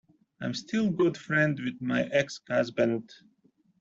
I'm still good friends with my ex-husband.